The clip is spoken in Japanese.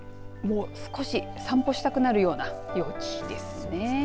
少し散歩したくなるような陽気ですね。